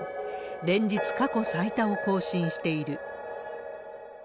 連日、過去最多を更新している。